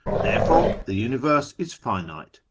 Therefore the Universe is finite.